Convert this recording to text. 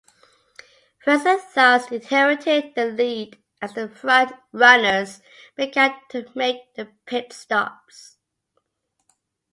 Frentzen thus inherited the lead as the front-runners began to make their pit stops.